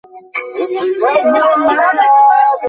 কী হয়েছে, বলো?